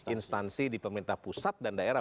instansi di pemerintah pusat dan daerah